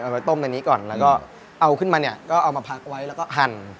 ไปต้มในนี้ก่อนแล้วก็เอาขึ้นมาเนี่ยก็เอามาพักไว้แล้วก็หั่น